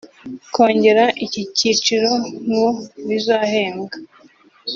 Kongera iki cyiciro mu bizahembwa